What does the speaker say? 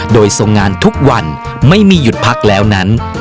โดยทรงงานทุกวันไม่มีหยุดพักแล้วนั้น